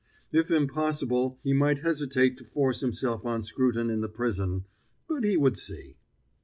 If impossible, he might hesitate to force himself on Scruton in the prison, but he would see.